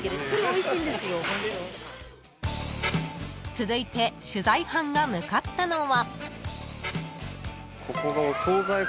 ［続いて取材班が向かったのは］